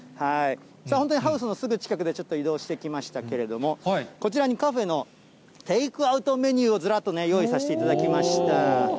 本当にハウスのすぐ近くに、ちょっと移動してきましたけれども、こちらにカフェのテイクアウトメニューをずらっと用意させていただきました。